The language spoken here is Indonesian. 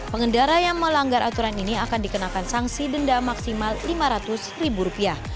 pengendara yang melanggar aturan ini akan dikenakan sanksi denda maksimal lima ratus ribu rupiah